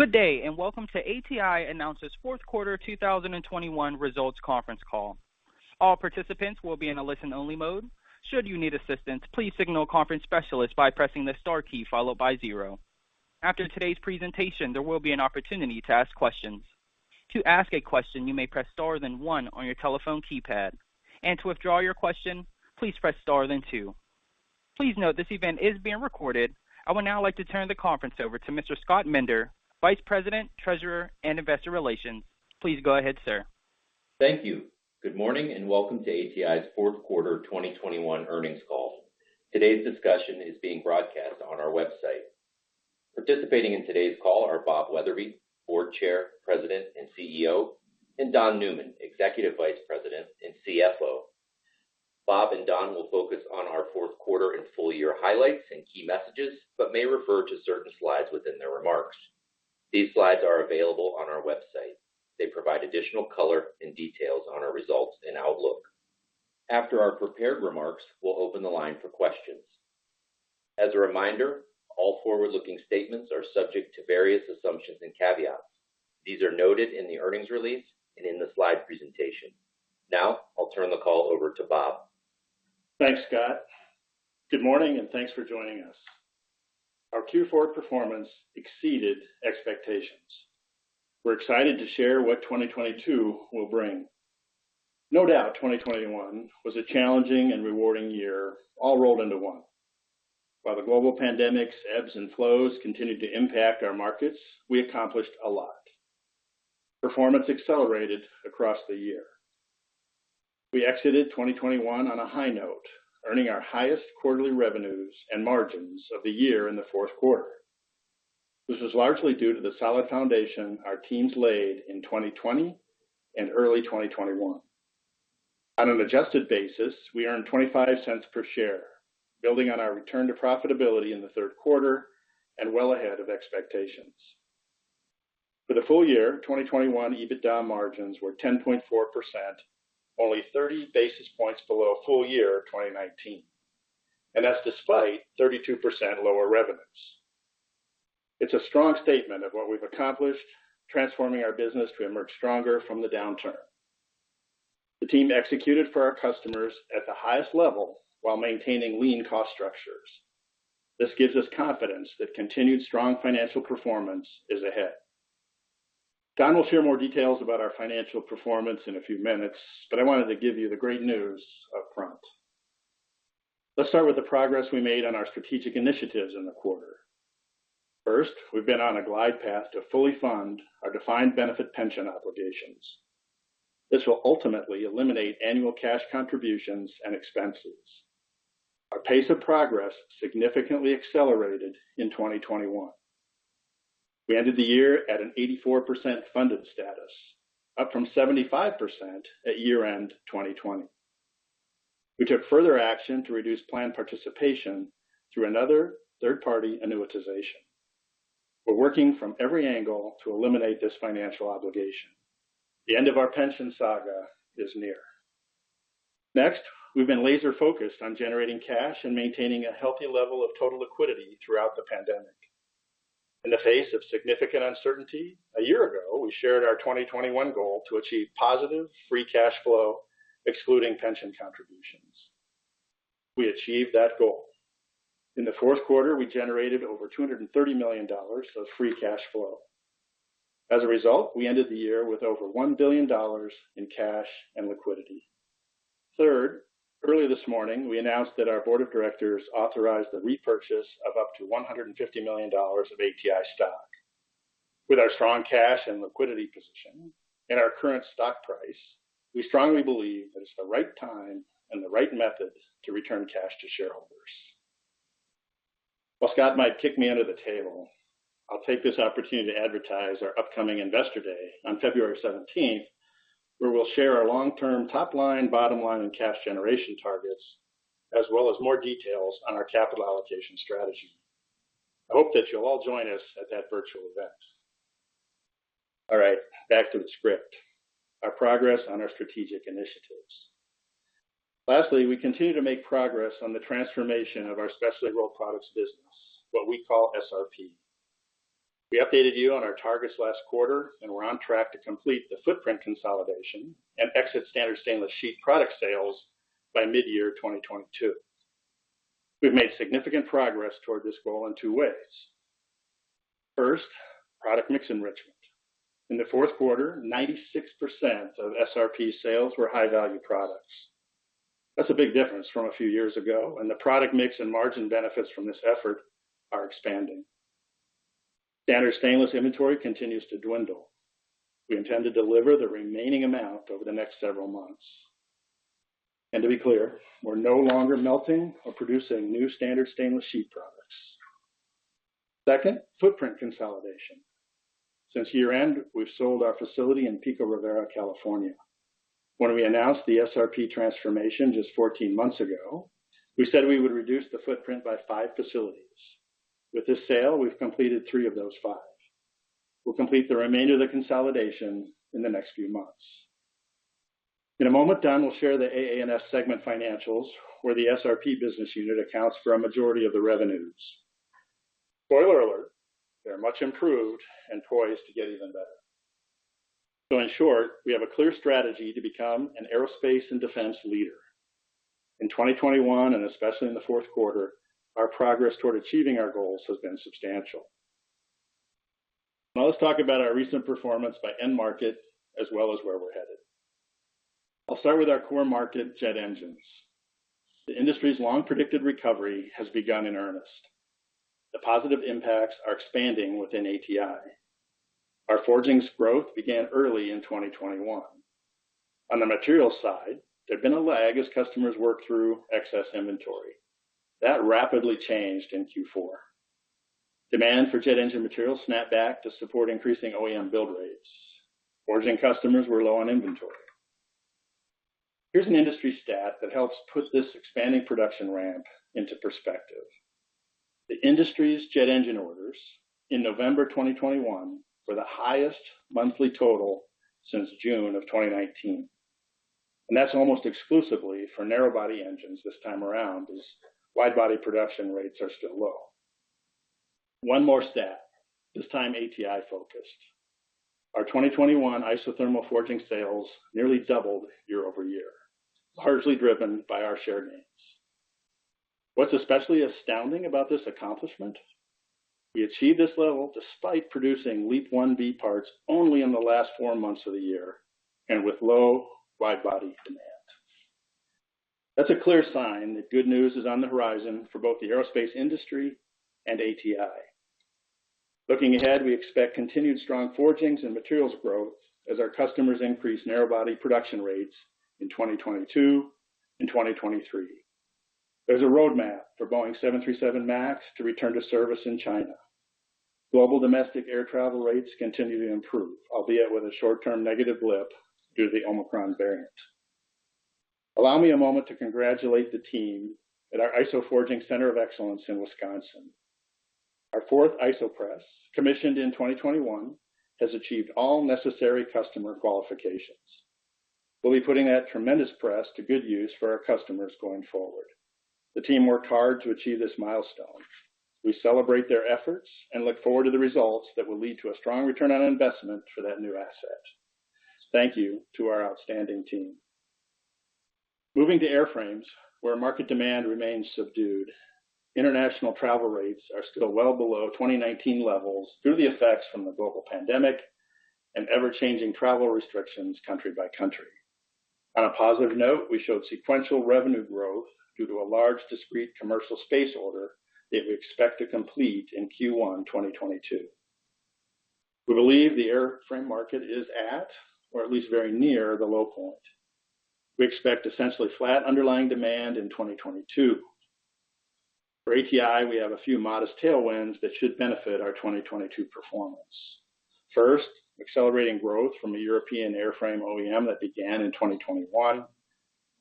Good day, and welcome to ATI Announces Q4 2021 Results Conference Call. All participants will be in a listen-only mode. Should you need assistance, please signal a conference specialist by pressing the star key followed by zero. After today's presentation, there will be an opportunity to ask questions. To ask a question, you may press star then one on your telephone keypad. To withdraw your question, please press star then two. Please note this event is being recorded. I would now like to turn the conference over to Mr. Scott Minder, Vice President, Treasurer, and Investor Relations. Please go ahead, sir. Thank you. Good morning, and welcome to ATI's Q4 2021 earnings call. Today's discussion is being broadcast on our website. Participating in today's call are Bob Wetherbee, Board Chair, President, and CEO, and Don Newman, Executive Vice President and CFO. Bob and Don will focus on our Q4 and full year highlights and key messages, but may refer to certain slides within their remarks. These slides are available on our website. They provide additional color and details on our results and outlook. After our prepared remarks, we'll open the line for questions. As a reminder, all forward-looking statements are subject to various assumptions and caveats. These are noted in the earnings release and in the slide presentation. Now I'll turn the call over to Bob. Thanks, Scott. Good morning, and thanks for joining us. Our Q4 performance exceeded expectations. We're excited to share what 2022 will bring. No doubt, 2021 was a challenging and rewarding year all rolled into one. While the global pandemic's ebbs and flows continued to impact our markets, we accomplished a lot. Performance accelerated across the year. We exited 2021 on a high note, earning our highest quarterly revenues and margins of the year in the Q4. This is largely due to the solid foundation our teams laid in 2020 and early 2021. On an adjusted basis, we earned $0.25 per share, building on our return to profitability in the Q3 and well ahead of expectations. For the full year, 2021 EBITDA margins were 10.4%, only 30 basis points below full year 2019. That's despite 32% lower revenues. It's a strong statement of what we've accomplished transforming our business to emerge stronger from the downturn. The team executed for our customers at the highest level while maintaining lean cost structures. This gives us confidence that continued strong financial performance is ahead. Don will share more details about our financial performance in a few minutes, but I wanted to give you the great news up front. Let's start with the progress we made on our strategic initiatives in the quarter. First, we've been on a glide path to fully fund our defined benefit pension obligations. This will ultimately eliminate annual cash contributions and expenses. Our pace of progress significantly accelerated in 2021. We ended the year at an 84% funded status, up from 75% at year-end 2020. We took further action to reduce plan participation through another third party annuitization. We're working from every angle to eliminate this financial obligation. The end of our pension saga is near. Next, we've been laser-focused on generating cash and maintaining a healthy level of total liquidity throughout the pandemic. In the face of significant uncertainty, a year ago, we shared our 2021 goal to achieve positive free cash flow excluding pension contributions. We achieved that goal. In the Q4, we generated over $230 million of free cash flow. As a result, we ended the year with over $1 billion in cash and liquidity. Third, early this morning, we announced that our board of directors authorized the repurchase of up to $150 million of ATI stock. With our strong cash and liquidity position and our current stock price, we strongly believe that it's the right time and the right method to return cash to shareholders. While Scott might kick me under the table, I'll take this opportunity to advertise our upcoming Investor Day on February seventeenth, where we'll share our long-term top line, bottom line, and cash generation targets, as well as more details on our capital allocation strategy. I hope that you'll all join us at that virtual event. All right, back to the script. Our progress on our strategic initiatives. Lastly, we continue to make progress on the transformation of our specialty rolled products business, what we call SRP. We updated you on our targets last quarter, and we're on track to complete the footprint consolidation and exit standard stainless sheet product sales by mid-year 2022. We've made significant progress toward this goal in two ways. First, product mix enrichment. In the Q4, 96% of SRP sales were high-value products. That's a big difference from a few years ago, and the product mix and margin benefits from this effort are expanding. Standard stainless inventory continues to dwindle. We intend to deliver the remaining amount over the next several months. To be clear, we're no longer melting or producing new standard stainless sheet products. Second, footprint consolidation. Since year-end, we've sold our facility in Pico Rivera, California. When we announced the SRP transformation just 14 months ago, we said we would reduce the footprint by 5 facilities. With this sale, we've completed 3 of those 5. We'll complete the remainder of the consolidation in the next few months. In a moment, Don will share the AA&S segment financials, where the SRP business unit accounts for a majority of the revenues. Spoiler alert, they're much improved and poised to get even better. In short, we have a clear strategy to become an aerospace and defense leader. In 2021, and especially in the Q4, our progress toward achieving our goals has been substantial. Now let's talk about our recent performance by end market, as well as where we're headed. I'll start with our core market, jet engines. The industry's long-predicted recovery has begun in earnest. The positive impacts are expanding within ATI. Our forgings growth began early in 2021. On the materials side, there'd been a lag as customers worked through excess inventory. That rapidly changed in Q4. Demand for jet engine materials snapped back to support increasing OEM build rates. Forging customers were low on inventory. Here's an industry stat that helps put this expanding production ramp into perspective. The industry's jet engine orders in November 2021 were the highest monthly total since June of 2019, and that's almost exclusively for narrow body engines this time around, as wide body production rates are still low. One more stat, this time ATI-focused. Our 2021 isothermal forging sales nearly doubled year-over-year, largely driven by our share gains. What's especially astounding about this accomplishment, we achieved this level despite producing LEAP-1B parts only in the last four months of the year and with low wide body demand. That's a clear sign that good news is on the horizon for both the aerospace industry and ATI. Looking ahead, we expect continued strong forgings and materials growth as our customers increase narrow body production rates in 2022 and 2023. There's a roadmap for Boeing 737 MAX to return to service in China. Global domestic air travel rates continue to improve, albeit with a short-term negative blip due to the Omicron variant. Allow me a moment to congratulate the team at our Isoforging Center of Excellence in Wisconsin. Our fourth iso press, commissioned in 2021, has achieved all necessary customer qualifications. We'll be putting that tremendous press to good use for our customers going forward. The team worked hard to achieve this milestone. We celebrate their efforts and look forward to the results that will lead to a strong return on investment for that new asset. Thank you to our outstanding team. Moving to airframes, where market demand remains subdued, international travel rates are still well below 2019 levels due to the effects from the global pandemic and ever-changing travel restrictions country by country. On a positive note, we showed sequential revenue growth due to a large discrete commercial space order that we expect to complete in Q1 2022. We believe the airframe market is at, or at least very near, the low point. We expect essentially flat underlying demand in 2022. For ATI, we have a few modest tailwinds that should benefit our 2022 performance. First, accelerating growth from a European airframe OEM that began in 2021.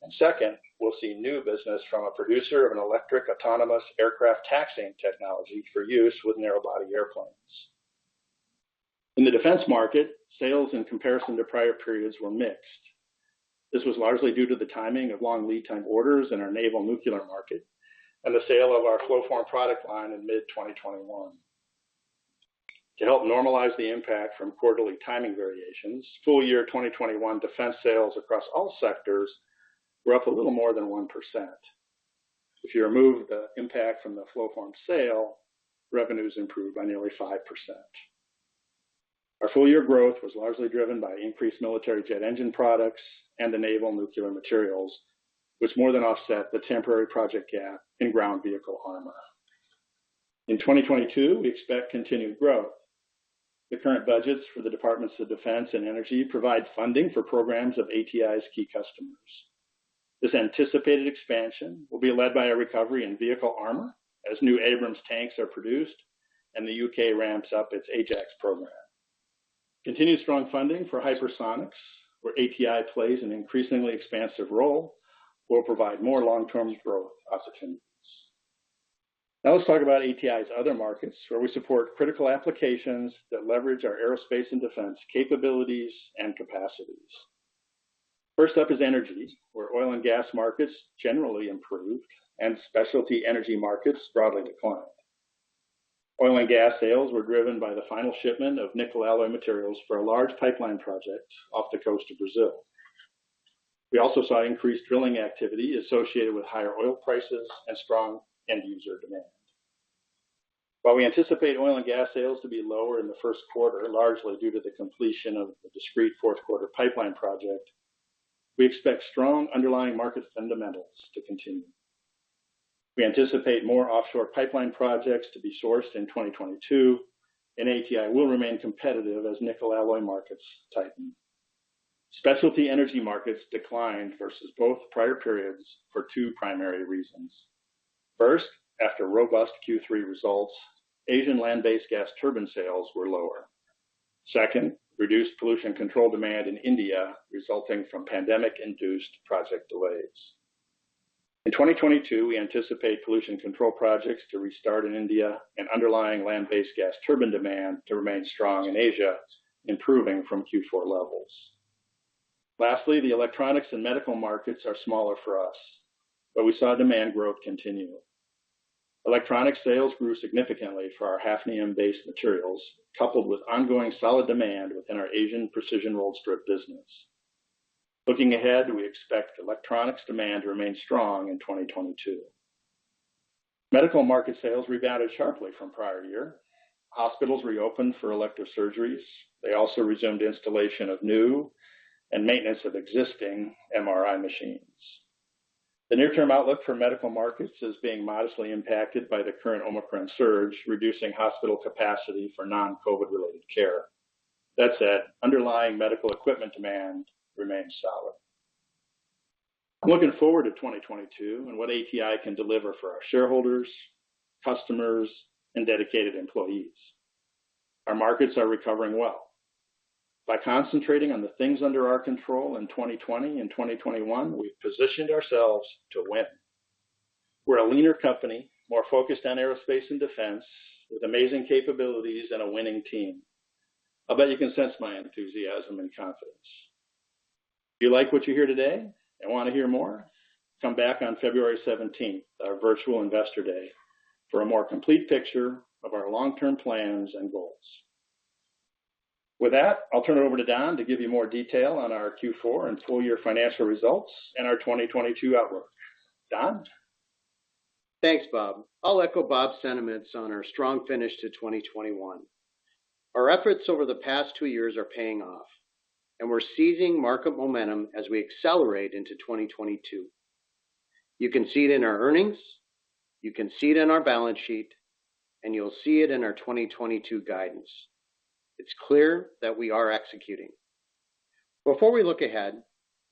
And second, we'll see new business from a producer of an electric autonomous aircraft taxiing technology for use with narrow body airplanes. In the defense market, sales in comparison to prior periods were mixed. This was largely due to the timing of long lead time orders in our naval nuclear market and the sale of our Flowform product line in mid-2021. To help normalize the impact from quarterly timing variations, full year 2021 defense sales across all sectors were up a little more than 1%. If you remove the impact from the Flowform sale, revenues improved by nearly 5%. Our full year growth was largely driven by increased military jet engine products and the naval nuclear materials, which more than offset the temporary project gap in ground vehicle armor. In 2022, we expect continued growth. The current budgets for the Department of Defense and Department of Energy provide funding for programs of ATI's key customers. This anticipated expansion will be led by a recovery in vehicle armor as new Abrams tanks are produced and the U.K. ramps up its Ajax program. Continued strong funding for hypersonics, where ATI plays an increasingly expansive role, will provide more long-term growth opportunities. Now let's talk about ATI's other markets, where we support critical applications that leverage our aerospace and defense capabilities and capacities. First up is energy, where oil and gas markets generally improved and specialty energy markets broadly declined. Oil and gas sales were driven by the final shipment of nickel alloy materials for a large pipeline project off the coast of Brazil. We also saw increased drilling activity associated with higher oil prices and strong end user demand. While we anticipate oil and gas sales to be lower in the Q1, largely due to the completion of the discrete Q4 pipeline project, we expect strong underlying market fundamentals to continue. We anticipate more offshore pipeline projects to be sourced in 2022, and ATI will remain competitive as nickel alloy markets tighten. Specialty energy markets declined versus both prior periods for two primary reasons. First, after robust Q3 results, Asian land-based gas turbine sales were lower. Second, reduced pollution control demand in India resulting from pandemic-induced project delays. In 2022, we anticipate pollution control projects to restart in India and underlying land-based gas turbine demand to remain strong in Asia, improving from Q4 levels. Lastly, the electronics and medical markets are smaller for us, but we saw demand growth continue. Electronic sales grew significantly for our hafnium-based materials, coupled with ongoing solid demand within our Asian precision rolled strip business. Looking ahead, we expect electronics demand to remain strong in 2022. Medical market sales rebounded sharply from prior year. Hospitals reopened for elective surgeries. They also resumed installation of new and maintenance of existing MRI machines. The near-term outlook for medical markets is being modestly impacted by the current Omicron surge, reducing hospital capacity for non-COVID-related care. That said, underlying medical equipment demand remains solid. I'm looking forward to 2022 and what ATI can deliver for our shareholders, customers, and dedicated employees. Our markets are recovering well. By concentrating on the things under our control in 2020 and 2021, we've positioned ourselves to win. We're a leaner company, more focused on aerospace and defense, with amazing capabilities and a winning team. I bet you can sense my enthusiasm and confidence. If you like what you hear today and want to hear more, come back on February 17, our virtual Investor Day, for a more complete picture of our long-term plans and goals. With that, I'll turn it over to Don to give you more detail on our Q4 and full-year financial results and our 2022 outlook. Don? Thanks, Bob. I'll echo Bob's sentiments on our strong finish to 2021. Our efforts over the past two years are paying off, and we're seizing market momentum as we accelerate into 2022. You can see it in our earnings, you can see it in our balance sheet, and you'll see it in our 2022 guidance. It's clear that we are executing. Before we look ahead,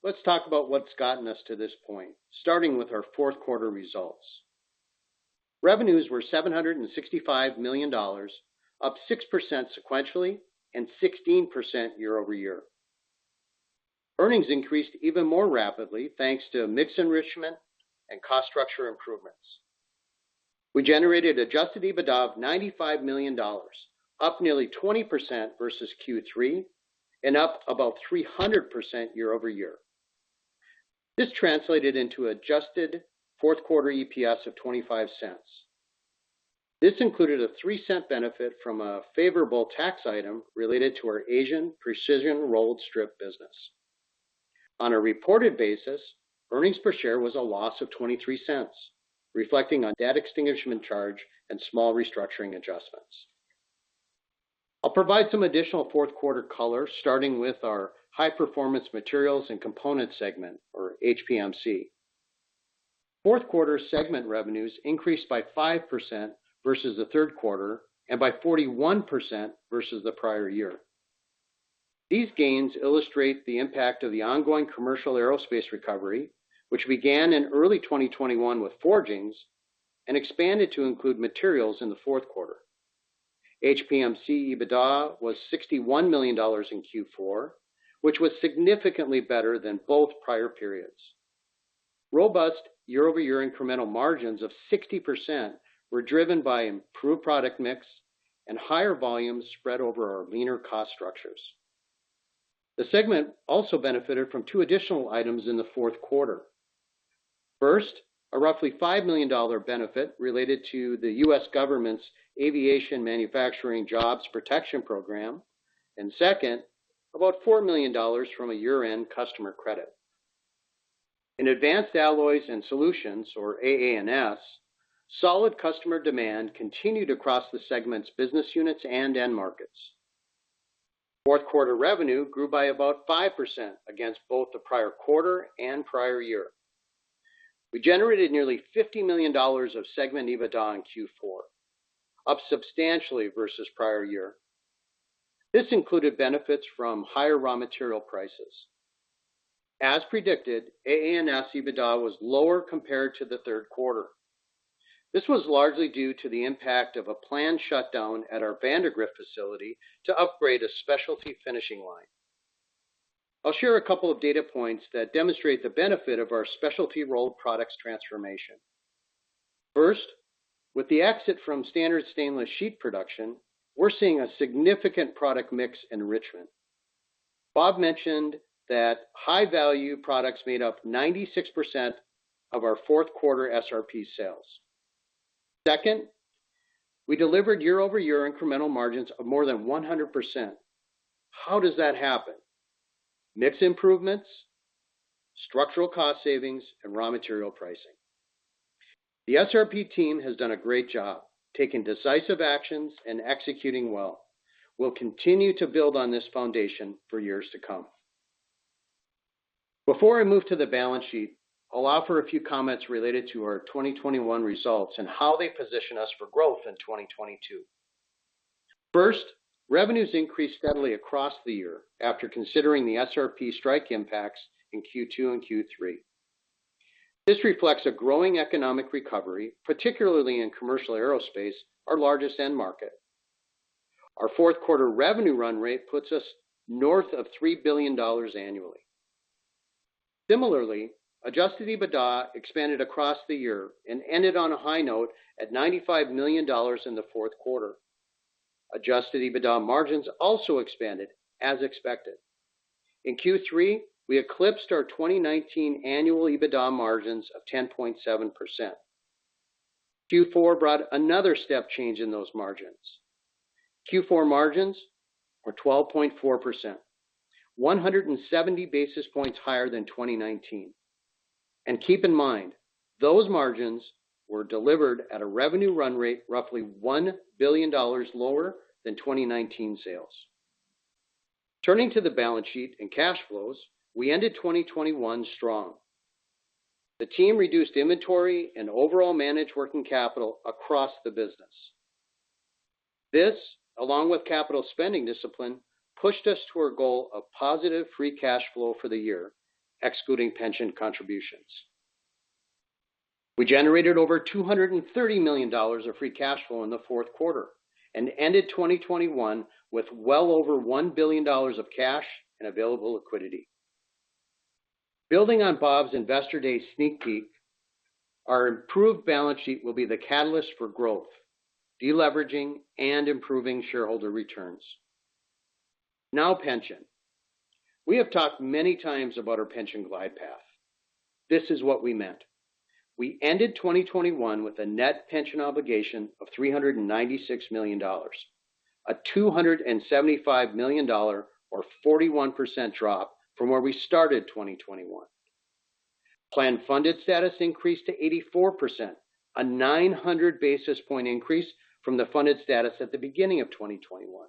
let's talk about what's gotten us to this point, starting with our Q4 results. Revenues were $765 million, up 6% sequentially and 16% year-over-year. Earnings increased even more rapidly, thanks to mix enrichment and cost structure improvements. We generated adjusted EBITDA of $95 million, up nearly 20% versus Q3 and up about 300% year-over-year. This translated into adjusted Q4 EPS of $0.25. This included a $0.03 benefit from a favorable tax item related to our Asian precision rolled strip business. On a reported basis, earnings per share was a loss of $0.23, reflecting a debt extinguishment charge and small restructuring adjustments. I'll provide some additional Q4 color, starting with our High Performance Materials and Components segment, or HPMC. Q4 segment revenues increased by 5% versus the Q3 and by 41% versus the prior year. These gains illustrate the impact of the ongoing commercial aerospace recovery, which began in early 2021 with forgings and expanded to include materials in the Q4. HPMC EBITDA was $61 million in Q4, which was significantly better than both prior periods. Robust year-over-year incremental margins of 60% were driven by improved product mix and higher volumes spread over our leaner cost structures. The segment also benefited from two additional items in the Q4. First, a roughly $5 million benefit related to the U.S. government's Aviation Manufacturing Jobs Protection Program. Second, about $4 million from a year-end customer credit. In Advanced Alloys and Solutions, or AA&S, solid customer demand continued across the segment's business units and end markets. Q4 revenue grew by about 5% against both the prior quarter and prior year. We generated nearly $50 million of segment EBITDA in Q4, up substantially versus prior year. This included benefits from higher raw material prices. As predicted, AA&S EBITDA was lower compared to the Q3. This was largely due to the impact of a planned shutdown at our Vandergrift facility to upgrade a specialty finishing line. I'll share a couple of data points that demonstrate the benefit of our specialty rolled products transformation. First, with the exit from standard stainless sheet production, we're seeing a significant product mix enrichment. Bob mentioned that high-value products made up 96% of our Q4 SRP sales. Second, we delivered year-over-year incremental margins of more than 100%. How does that happen? Mix improvements, structural cost savings, and raw material pricing. The SRP team has done a great job taking decisive actions and executing well. We'll continue to build on this foundation for years to come. Before I move to the balance sheet, I'll offer a few comments related to our 2021 results and how they position us for growth in 2022. First, revenues increased steadily across the year after considering the SRP strike impacts in Q2 and Q3. This reflects a growing economic recovery, particularly in commercial aerospace, our largest end market. Our Q4 revenue run rate puts us north of $3 billion annually. Similarly, adjusted EBITDA expanded across the year and ended on a high note at $95 million in the Q4. Adjusted EBITDA margins also expanded as expected. In Q3, we eclipsed our 2019 annual EBITDA margins of 10.7%. Q4 brought another step change in those margins. Q4 margins were 12.4%, 170 basis points higher than 2019. Keep in mind, those margins were delivered at a revenue run rate roughly $1 billion lower than 2019 sales. Turning to the balance sheet and cash flows, we ended 2021 strong. The team reduced inventory and overall managed working capital across the business. This, along with capital spending discipline, pushed us to our goal of positive free cash flow for the year, excluding pension contributions. We generated over $230 million of free cash flow in the Q4 and ended 2021 with well over $1 billion of cash and available liquidity. Building on Bob's Investor Day sneak peek, our improved balance sheet will be the catalyst for growth, deleveraging, and improving shareholder returns. Now pension. We have talked many times about our pension glide path. This is what we meant. We ended 2021 with a net pension obligation of $396 million, a $275 million or 41% drop from where we started 2021. Plan funded status increased to 84%, a 900 basis point increase from the funded status at the beginning of 2021.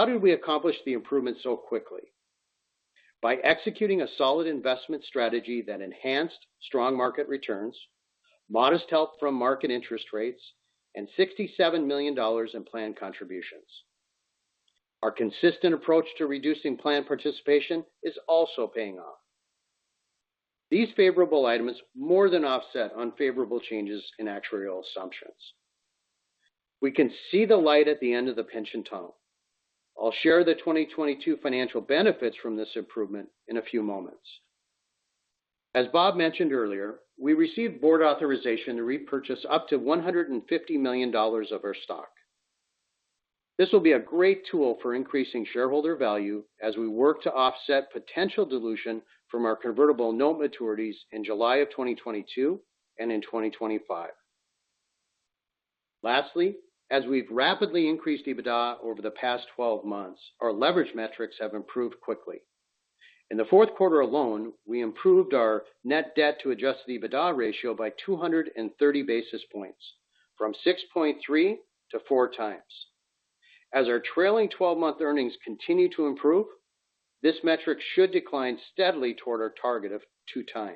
How did we accomplish the improvement so quickly? By executing a solid investment strategy that enhanced strong market returns, modest help from market interest rates, and $67 million in plan contributions. Our consistent approach to reducing plan participation is also paying off. These favorable items more than offset unfavorable changes in actuarial assumptions. We can see the light at the end of the pension tunnel. I'll share the 2022 financial benefits from this improvement in a few moments. As Bob mentioned earlier, we received board authorization to repurchase up to $150 million of our stock. This will be a great tool for increasing shareholder value as we work to offset potential dilution from our convertible note maturities in July of 2022 and in 2025. Lastly, as we've rapidly increased EBITDA over the past 12 months, our leverage metrics have improved quickly. In the Q4 alone, we improved our net debt to adjusted EBITDA ratio by 230 basis points from 6.3x to 4x. Our trailing twelve-month earnings continue to improve. This metric should decline steadily toward our target of 2x.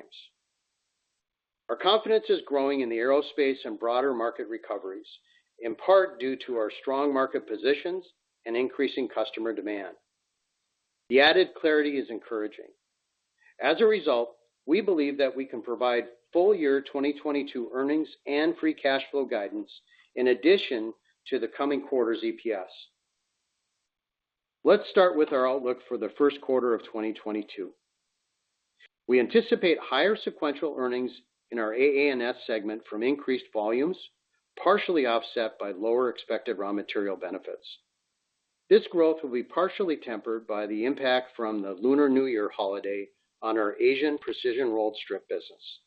Our confidence is growing in the aerospace and broader market recoveries, in part due to our strong market positions and increasing customer demand. The added clarity is encouraging. As a result, we believe that we can provide full-year 2022 earnings and free cash flow guidance in addition to the coming quarter's EPS. Let's start with our outlook for the Q1 of 2022. We anticipate higher sequential earnings in our AA&S segment from increased volumes, partially offset by lower expected raw material benefits. This growth will be partially tempered by the impact from the Lunar New Year holiday on our Asian precision rolled strip business.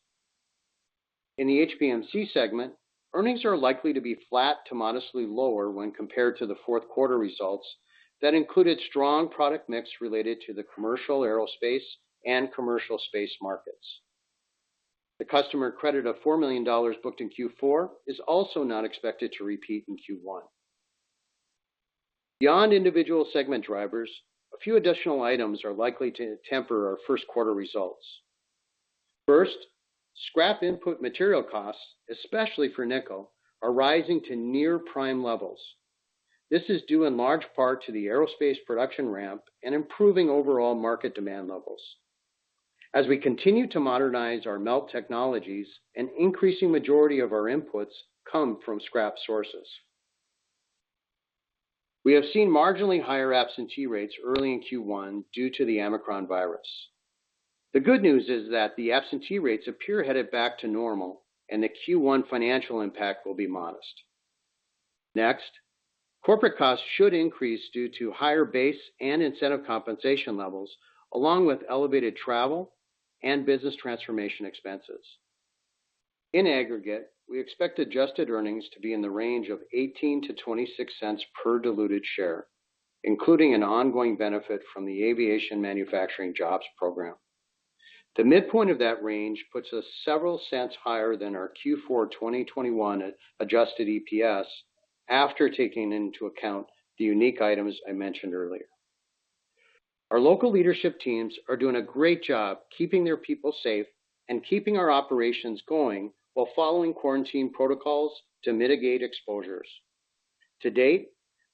In the HPMC segment, earnings are likely to be flat to modestly lower when compared to the Q4 results that included strong product mix related to the commercial aerospace and commercial space markets. The customer credit of $4 million booked in Q4 is also not expected to repeat in Q1. Beyond individual segment drivers, a few additional items are likely to temper our Q1 results. First, scrap input material costs, especially for nickel, are rising to near prime levels. This is due in large part to the aerospace production ramp and improving overall market demand levels. As we continue to modernize our melt technologies, an increasing majority of our inputs come from scrap sources. We have seen marginally higher absentee rates early in Q1 due to the Omicron virus. The good news is that the absentee rates appear headed back to normal and the Q1 financial impact will be modest. Next, corporate costs should increase due to higher base and incentive compensation levels, along with elevated travel and business transformation expenses. In aggregate, we expect adjusted earnings to be in the range of $0.18-$0.26 per diluted share, including an ongoing benefit from the Aviation Manufacturing Jobs Protection Program. The midpoint of that range puts us several cents higher than our Q4 2021 adjusted EPS after taking into account the unique items I mentioned earlier. Our local leadership teams are doing a great job keeping their people safe and keeping our operations going while following quarantine protocols to mitigate exposures. To date,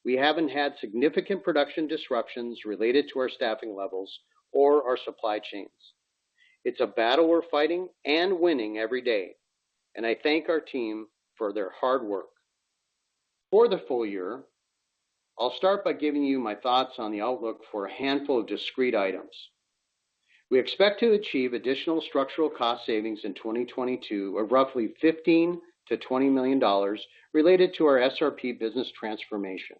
we haven't had significant production disruptions related to our staffing levels or our supply chains. It's a battle we're fighting and winning every day, and I thank our team for their hard work. For the full year, I'll start by giving you my thoughts on the outlook for a handful of discrete items. We expect to achieve additional structural cost savings in 2022 of roughly $15 million-$20 million related to our SRP business transformation.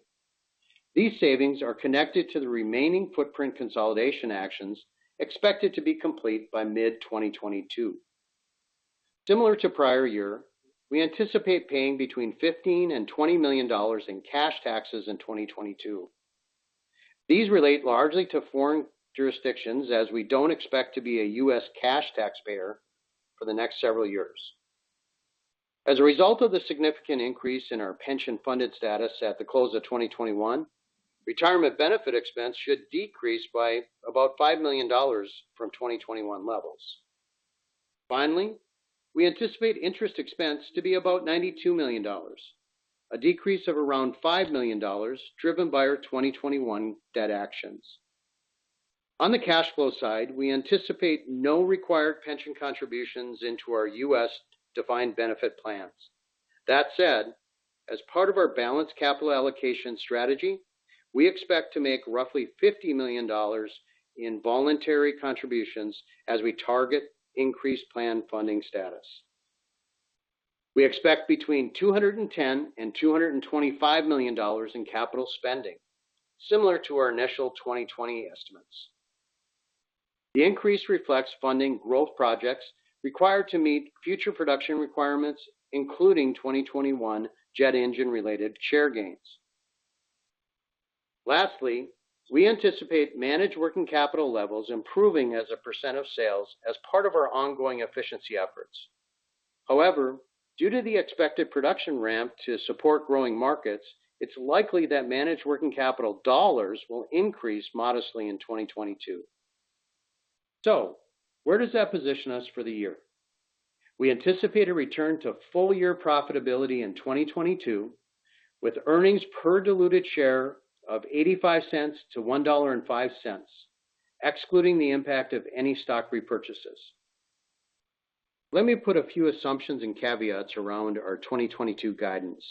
These savings are connected to the remaining footprint consolidation actions expected to be complete by mid-2022. Similar to prior year, we anticipate paying between $15 million and $20 million in cash taxes in 2022. These relate largely to foreign jurisdictions, as we don't expect to be a U.S. cash taxpayer for the next several years. As a result of the significant increase in our pension-funded status at the close of 2021, retirement benefit expense should decrease by about $5 million from 2021 levels. Finally, we anticipate interest expense to be about $92 million, a decrease of around $5 million driven by our 2021 debt actions. On the cash flow side, we anticipate no required pension contributions into our U.S. defined benefit plans. That said, as part of our balanced capital allocation strategy, we expect to make roughly $50 million in voluntary contributions as we target increased plan funding status. We expect between $210 million and $225 million in capital spending, similar to our initial 2020 estimates. The increase reflects funding growth projects required to meet future production requirements, including 2021 jet engine-related share gains. Lastly, we anticipate managed working capital levels improving as a % of sales as part of our ongoing efficiency efforts. However, due to the expected production ramp to support growing markets, it's likely that managed working capital dollars will increase modestly in 2022. Where does that position us for the year? We anticipate a return to full-year profitability in 2022, with earnings per diluted share of $0.85-$1.05, excluding the impact of any stock repurchases. Let me put a few assumptions and caveats around our 2022 guidance.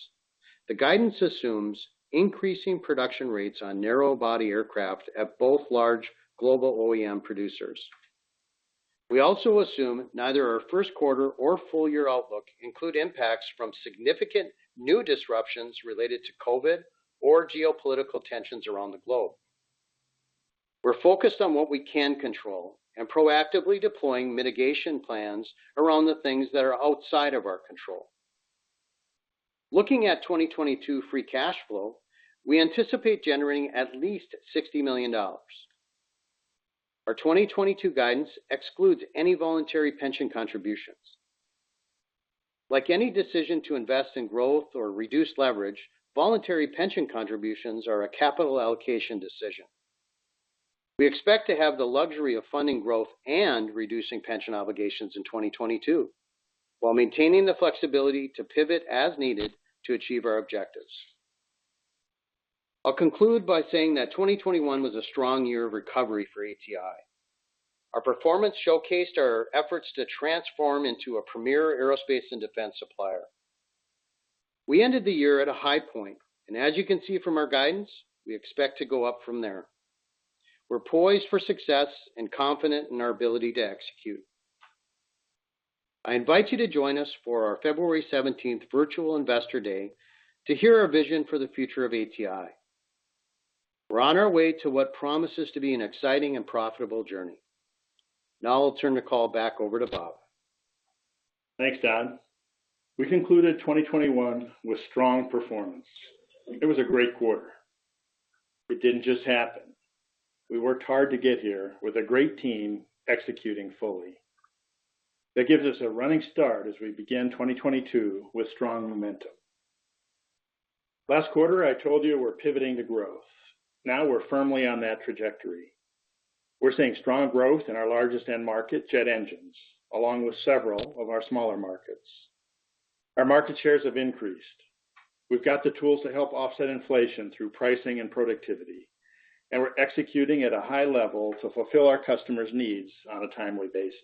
The guidance assumes increasing production rates on narrow body aircraft at both large global OEM producers. We also assume neither our Q1 nor full year outlook include impacts from significant new disruptions related to COVID or geopolitical tensions around the globe. We're focused on what we can control and proactively deploying mitigation plans around the things that are outside of our control. Looking at 2022 free cash flow, we anticipate generating at least $60 million. Our 2022 guidance excludes any voluntary pension contributions. Like any decision to invest in growth or reduce leverage, voluntary pension contributions are a capital allocation decision. We expect to have the luxury of funding growth and reducing pension obligations in 2022, while maintaining the flexibility to pivot as needed to achieve our objectives. I'll conclude by saying that 2021 was a strong year of recovery for ATI. Our performance showcased our efforts to transform into a premier aerospace and defense supplier. We ended the year at a high point, and as you can see from our guidance, we expect to go up from there. We're poised for success and confident in our ability to execute. I invite you to join us for our February seventeenth Virtual Investor Day to hear our vision for the future of ATI. We're on our way to what promises to be an exciting and profitable journey. Now I'll turn the call back over to Bob. Thanks, Don. We concluded 2021 with strong performance. It was a great quarter. It didn't just happen. We worked hard to get here with a great team executing fully. That gives us a running start as we begin 2022 with strong momentum. Last quarter, I told you we're pivoting to growth. Now we're firmly on that trajectory. We're seeing strong growth in our largest end market, jet engines, along with several of our smaller markets. Our market shares have increased. We've got the tools to help offset inflation through pricing and productivity, and we're executing at a high level to fulfill our customers' needs on a timely basis.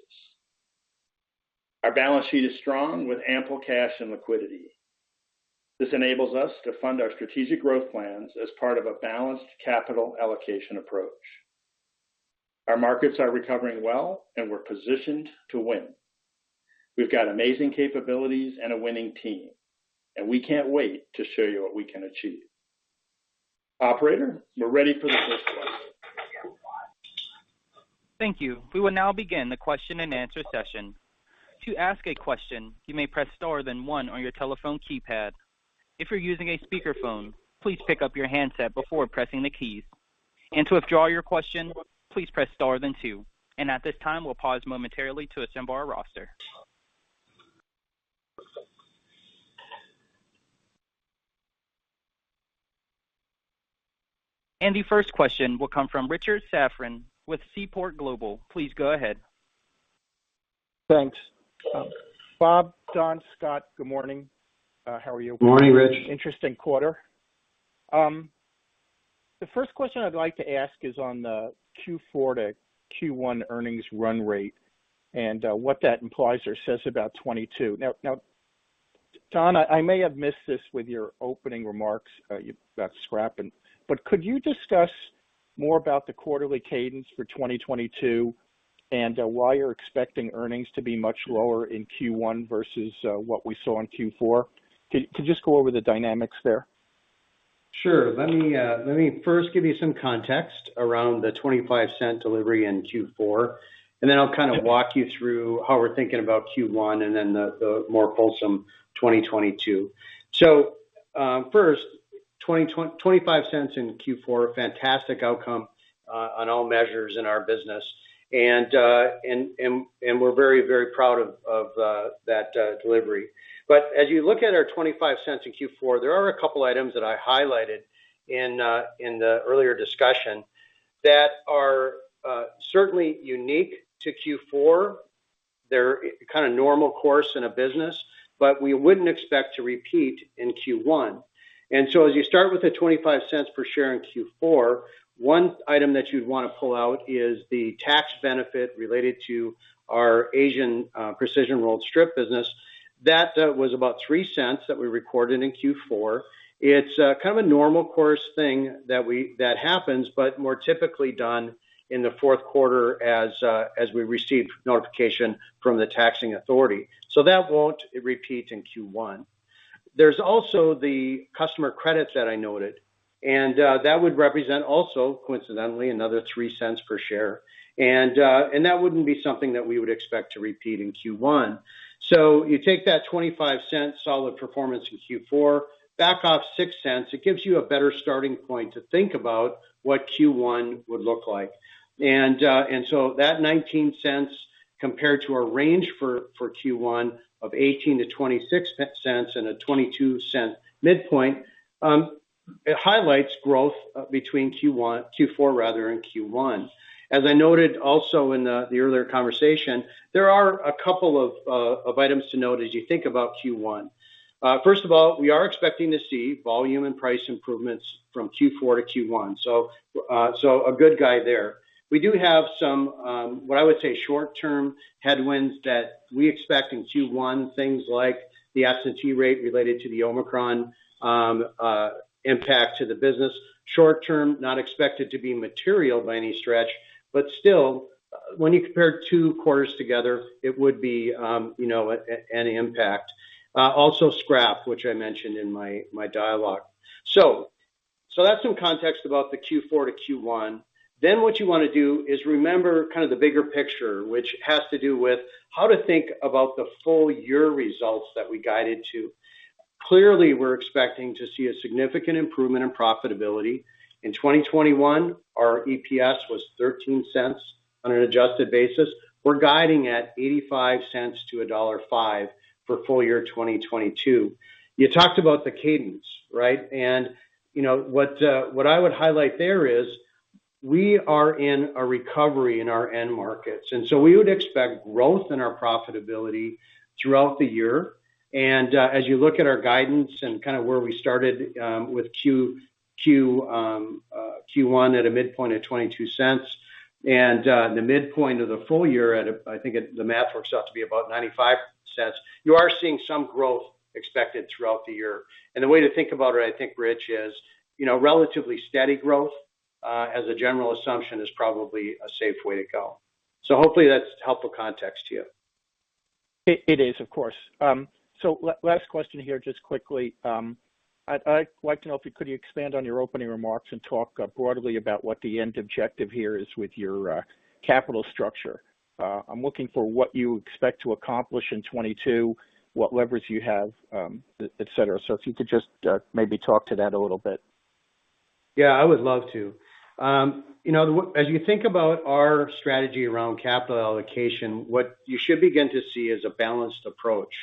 Our balance sheet is strong with ample cash and liquidity. This enables us to fund our strategic growth plans as part of a balanced capital allocation approach. Our markets are recovering well, and we're positioned to win. We've got amazing capabilities and a winning team, and we can't wait to show you what we can achieve. Operator, we're ready for the first one. Thank you. We will now begin the question-and-answer session. To ask a question, you may press star then one on your telephone keypad. If you're using a speakerphone, please pick up your handset before pressing the keys. To withdraw your question, please press star then two. At this time, we'll pause momentarily to assemble our roster. The first question will come from Richard Safran with Seaport Global. Please go ahead. Thanks. Bob, Don, Scott, good morning. How are you? Morning, Rich. Interesting quarter. The first question I'd like to ask is on the Q4 to Q1 earnings run rate and what that implies or says about 2022. Now, John, I may have missed this with your opening remarks about scrap and. Could you discuss more about the quarterly cadence for 2022 and why you're expecting earnings to be much lower in Q1 versus what we saw in Q4? Could you just go over the dynamics there? Sure. Let me first give you some context around the $0.25 delivery in Q4, and then I'll kind of walk you through how we're thinking about Q1 and then the more fulsome 2022. First, $0.25 in Q4, fantastic outcome on all measures in our business. We're very, very proud of that delivery. As you look at our $0.25 in Q4, there are a couple items that I highlighted in the earlier discussion that are certainly unique to Q4. They're kind of normal course in a business, but we wouldn't expect to repeat in Q1. As you start with the $0.25 per share in Q4, one item that you'd wanna pull out is the tax benefit related to our Asian precision rolled strip business. That was about $0.03 that we recorded in Q4. It's kind of a normal course thing that happens, but more typically done in the Q4 as we receive notification from the taxing authority. That won't repeat in Q1. There's also the customer credits that I noted, and that wouldn't be something that we would expect to repeat in Q1. You take that $0.25 solid performance in Q4, back off $0.06, it gives you a better starting point to think about what Q1 would look like. That $0.19 compared to our range for Q1 of $0.18-$0.26 and a $0.22 midpoint, it highlights growth between Q4 and Q1. As I noted also in the earlier conversation, there are a couple of items to note as you think about Q1. First of all, we are expecting to see volume and price improvements from Q4 to Q1, so a good guide there. We do have some what I would say short-term headwinds that we expect in Q1, things like the absentee rate related to the Omicron impact to the business. Short-term, not expected to be material by any stretch, but still, when you compare two quarters together, it would be, you know, an impact. Also scrap, which I mentioned in my dialogue. That's some context about the Q4 to Q1. What you wanna do is remember kind of the bigger picture, which has to do with how to think about the full year results that we guided to. Clearly, we're expecting to see a significant improvement in profitability. In 2021, our EPS was $0.13 on an adjusted basis. We're guiding at $0.85-$1.05 for full year 2022. You talked about the cadence, right? You know, what I would highlight there is, we are in a recovery in our end markets, and we would expect growth in our profitability throughout the year. As you look at our guidance and kind of where we started, with Q1 at a midpoint of $0.22 and the midpoint of the full year at a... I think the math works out to be about $0.95. You are seeing some growth expected throughout the year. The way to think about it, I think, Rich, is, you know, relatively steady growth as a general assumption is probably a safe way to go. Hopefully that's helpful context to you. It is, of course. Last question here, just quickly. I'd like to know if you could expand on your opening remarks and talk broadly about what the end objective here is with your capital structure. I'm looking for what you expect to accomplish in 2022, what leverage you have, et cetera. If you could just maybe talk to that a little bit. Yeah, I would love to. You know, as you think about our strategy around capital allocation, what you should begin to see is a balanced approach.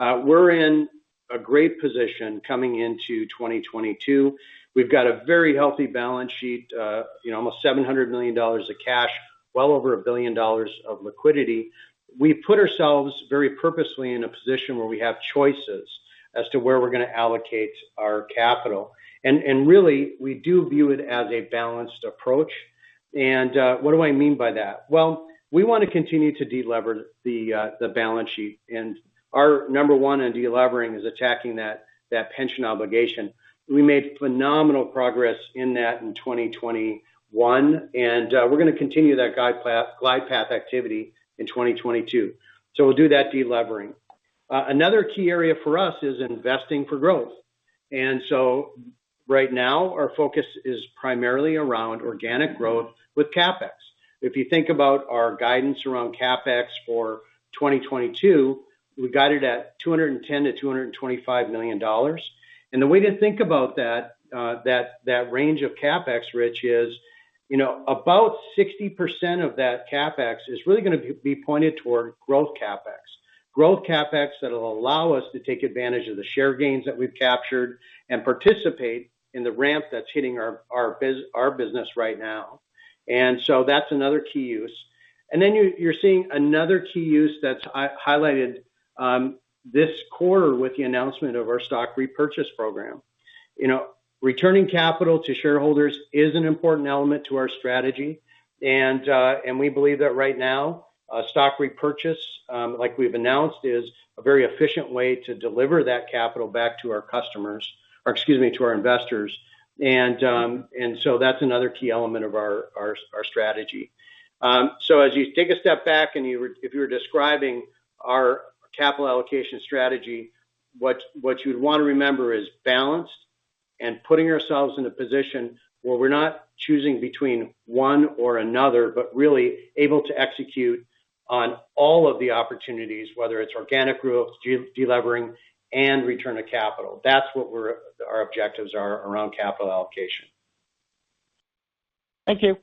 We're in a great position coming into 2022. We've got a very healthy balance sheet, you know, almost $700 million of cash, well over $1 billion of liquidity. We put ourselves very purposely in a position where we have choices as to where we're gonna allocate our capital. Really, we do view it as a balanced approach. What do I mean by that? Well, we want to continue to delever the balance sheet, and our number one in de-levering is attacking that pension obligation. We made phenomenal progress in that in 2021, and we're gonna continue that glide path activity in 2022. We'll do that de-levering. Another key area for us is investing for growth. Right now, our focus is primarily around organic growth with CapEx. If you think about our guidance around CapEx for 2022, we've got it at $210 million-$225 million. The way to think about that range of CapEx, Rich, is, you know, about 60% of that CapEx is really gonna be be pointed toward growth CapEx. Growth CapEx that'll allow us to take advantage of the share gains that we've captured and participate in the ramp that's hitting our business right now. That's another key use. You're seeing another key use that's highlighted this quarter with the announcement of our stock repurchase program. You know, returning capital to shareholders is an important element to our strategy. We believe that right now, stock repurchase, like we've announced, is a very efficient way to deliver that capital back to our customers, or excuse me, to our investors. That's another key element of our strategy. As you take a step back and if you were describing our capital allocation strategy, what you'd wanna remember is balanced and putting ourselves in a position where we're not choosing between one or another, but really able to execute on all of the opportunities, whether it's organic growth, delevering, and return of capital. That's what our objectives are around capital allocation. Thank you.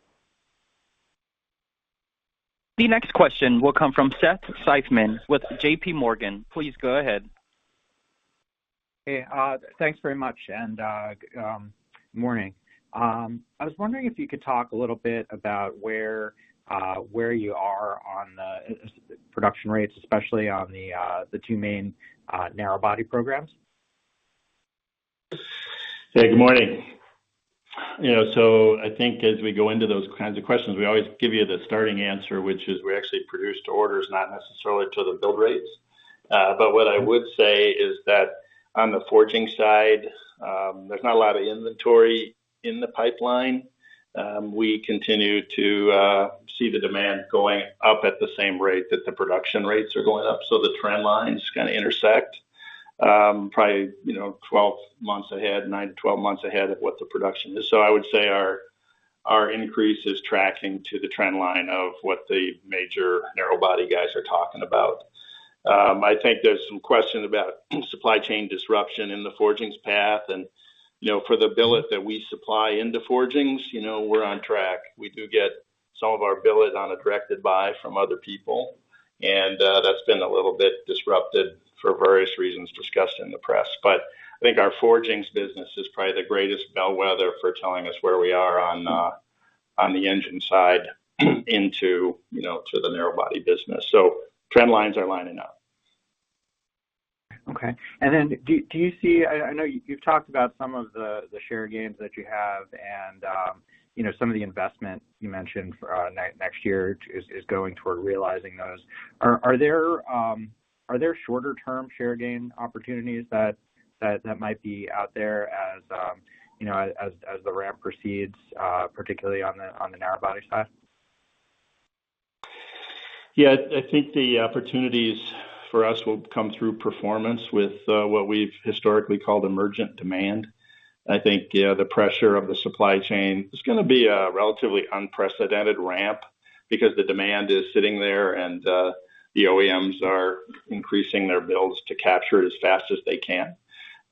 The next question will come from Seth Seifman with JPMorgan. Please go ahead. Hey, thanks very much. Morning. I was wondering if you could talk a little bit about where you are on the single-aisle production rates, especially on the two main narrow-body programs. Hey, good morning. You know, I think as we go into those kinds of questions, we always give you the starting answer, which is we actually produce to orders, not necessarily to the build rates. But what I would say is that on the forging side, there's not a lot of inventory in the pipeline. We continue to see the demand going up at the same rate that the production rates are going up, so the trend lines kinda intersect, probably, you know, 12 months ahead, 9-12 months ahead of what the production is. I would say our increase is tracking to the trend line of what the major narrow body guys are talking about. I think there's some questions about supply chain disruption in the forgings path. You know, for the billet that we supply into forgings, you know, we're on track. We do get some of our billet on a directed buy from other people, and that's been a little bit disrupted for various reasons discussed in the press. I think our forgings business is probably the greatest bellwether for telling us where we are on the engine side into, you know, to the narrow body business. Trend lines are lining up. Okay. I know you've talked about some of the share gains that you have and you know, some of the investments you mentioned for next year is going toward realizing those. Are there shorter term share gain opportunities that might be out there as you know, as the ramp proceeds, particularly on the narrow body side? Yeah. I think the opportunities for us will come through performance with what we've historically called emergent demand. I think, yeah, the pressure of the supply chain is gonna be a relatively unprecedented ramp because the demand is sitting there and the OEMs are increasing their builds to capture it as fast as they can.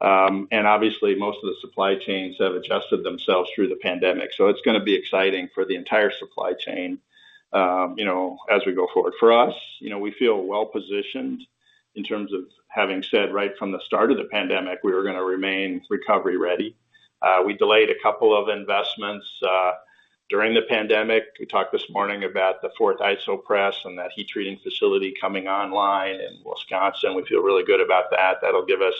Obviously most of the supply chains have adjusted themselves through the pandemic, so it's gonna be exciting for the entire supply chain, you know, as we go forward. For us, you know, we feel well positioned in terms of having said right from the start of the pandemic, we were gonna remain recovery ready. We delayed a couple of investments during the pandemic. We talked this morning about the fourth ISO press and that heat treating facility coming online in Wisconsin. We feel really good about that. That'll give us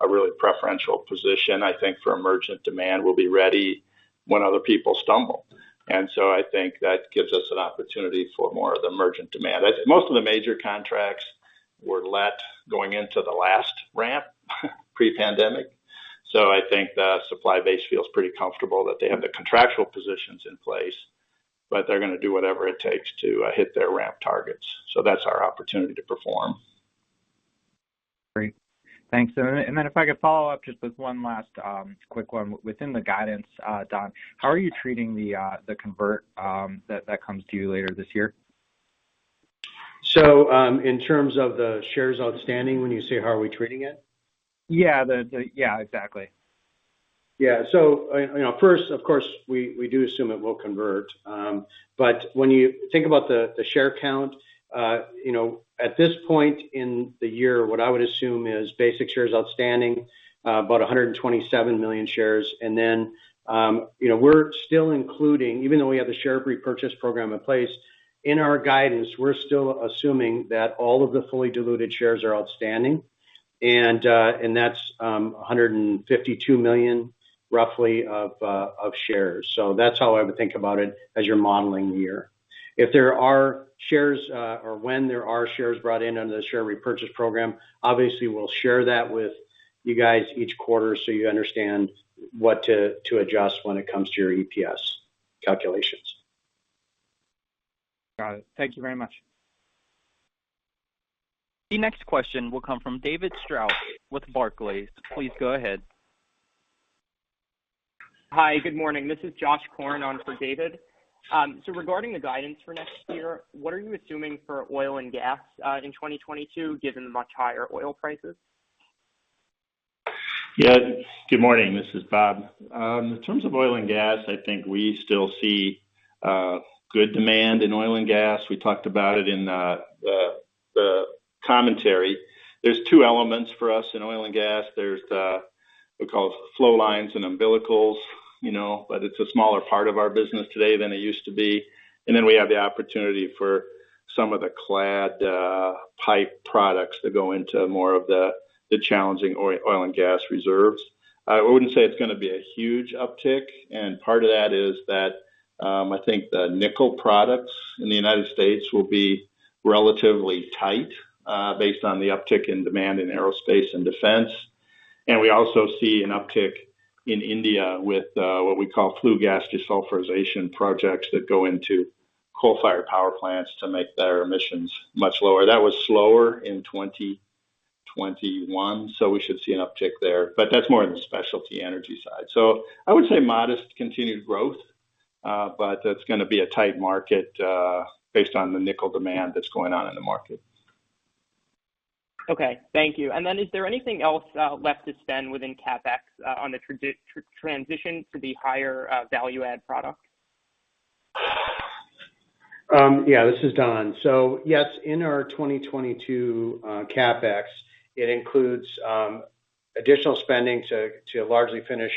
a really preferential position, I think, for emergent demand. We'll be ready when other people stumble. I think that gives us an opportunity for more of the emergent demand. Most of the major contracts were let going into the last ramp pre-pandemic. I think the supply base feels pretty comfortable that they have the contractual positions in place, but they're gonna do whatever it takes to hit their ramp targets. That's our opportunity to perform. Great. Thanks. If I could follow up just with one last quick one. Within the guidance, Don, how are you treating the convert that comes to you later this year? In terms of the shares outstanding, when you say how are we treating it? Yeah, exactly. Yeah, you know, first, of course, we do assume it will convert. When you think about the share count, you know, at this point in the year, what I would assume is basic shares outstanding, about 127 million shares. Then, you know, we're still including, even though we have the share repurchase program in place, in our guidance, we're still assuming that all of the fully diluted shares are outstanding, and that's roughly 152 million shares. That's how I would think about it as you're modeling the year. If there are shares, or when there are shares brought in under the share repurchase program, obviously we'll share that with you guys each quarter so you understand what to adjust when it comes to your EPS calculations. Got it. Thank you very much. The next question will come from David Strauss with Barclays. Please go ahead. Hi. Good morning. This is Josh Corn on for David. Regarding the guidance for next year, what are you assuming for oil and gas, in 2022, given the much higher oil prices? Yeah. Good morning. This is Bob. In terms of oil and gas, I think we still see good demand in oil and gas. We talked about it in the commentary. There's two elements for us in oil and gas. We call flow lines and umbilicals, you know, but it's a smaller part of our business today than it used to be. We have the opportunity for some of the clad pipe products that go into more of the challenging oil and gas reserves. I wouldn't say it's gonna be a huge uptick, and part of that is that I think the nickel products in the United States will be relatively tight based on the uptick in demand in aerospace and defense. We also see an uptick in India with what we call flue-gas desulfurization projects that go into coal-fired power plants to make their emissions much lower. That was slower in 2021, so we should see an uptick there. That's more on the specialty energy side. I would say modest continued growth, but it's gonna be a tight market, based on the nickel demand that's going on in the market. Okay. Thank you. Is there anything else left to spend within CapEx on the transition to the higher value add product? Yeah. This is Don. Yes, in our 2022 CapEx, it includes additional spending to largely finish